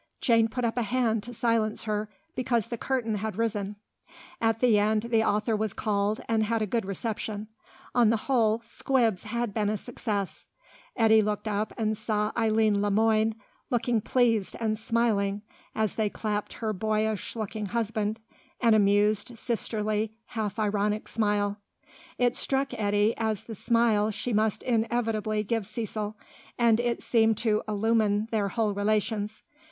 Jane put up a hand to silence her, because the curtain had risen. At the end the author was called and had a good reception; on the whole "Squibs" had been a success. Eddy looked up and saw Eileen Le Moine looking pleased and smiling as they clapped her boyish looking husband an amused, sisterly, half ironic smile. It struck Eddy as the smile she must inevitably give Cecil, and it seemed to illumine their whole relations.